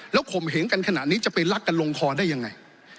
ข่มเหงกันขนาดนี้จะไปรักกันลงคอได้ยังไง